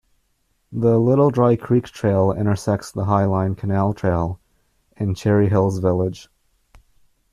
The Little Dry Creek Trail intersects the Highline Canal Trail in Cherry Hills Village.